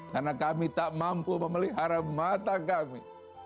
karena kami tak mampu memelihara mata kami